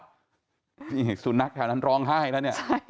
นี่สุนัขแถวนั้นร้องไห้แล้วเนี่ย